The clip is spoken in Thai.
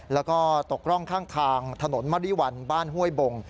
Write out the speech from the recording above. แล้วก็ตกร่องข้างทางถนนมริวัลบ้านห้วยบง